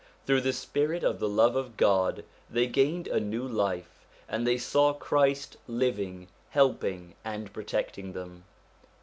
Through the spirit of the love of God they gained a new life, and they saw Christ living, helping, and protecting them.